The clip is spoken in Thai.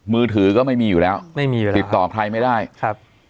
มือถือก็ไม่มีอยู่แล้วไม่มีเลยติดต่อใครไม่ได้ครับ